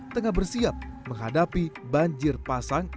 tengah bersiap menghadapi banjir pasang